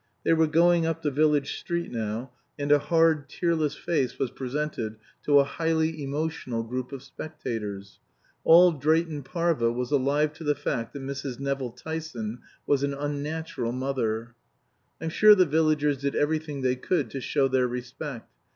They were going up the village street now, and a hard tearless face was presented to a highly emotional group of spectators. All Drayton Parva was alive to the fact that Mrs. Nevill Tyson was an unnatural mother. "I'm sure the villagers did everything they could to show their respect.